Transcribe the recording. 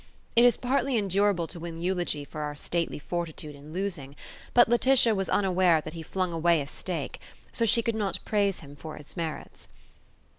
It is partly endurable to win eulogy for our stately fortitude in losing, but Laetitia was unaware that he flung away a stake; so she could not praise him for his merits.